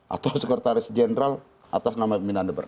atau sekretaris jenderal atas nama pimpinan dpr